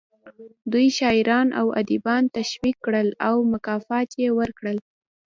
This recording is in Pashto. دوی شاعران او ادیبان تشویق کړل او مکافات یې ورکړل